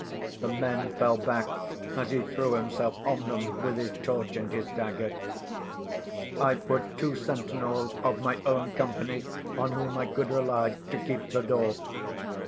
The men fell back as he threw himself on them with his torch and his dagger. I put two sentinels of my own company, on whom I could rely, to keep the door.